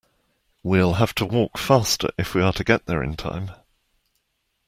We'll have to walk faster if we are to get there in time.